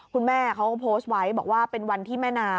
คุณแม่เขาก็โพสต์ไว้บอกว่าเป็นวันที่แม่นา